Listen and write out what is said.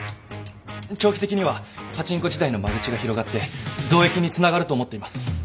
長期的にはパチンコ自体の間口が広がって増益につながると思っています。